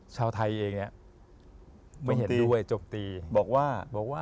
ชาวไทยเองนะ